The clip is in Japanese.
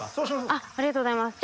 ありがとうございます。